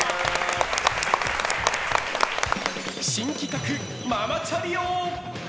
新企画、ママチャリ王！